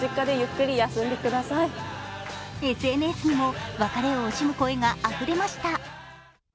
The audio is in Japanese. ＳＮＳにも別れを惜しむ声があふれました。